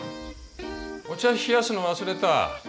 お茶冷やすの忘れた。